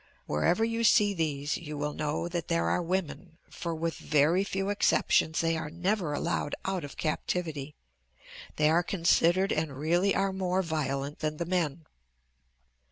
Wherever you see these you will know that there are women, for with very few exceptions they are never allowed out of captivity. They are considered and really are more violent than the men."